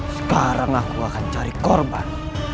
sekarang aku akan cari korban